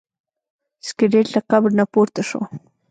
سکلیټ له قبر نه پورته شو.